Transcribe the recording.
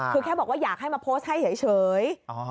คือแค่บอกว่าอยากให้มาโพสต์ให้เฉย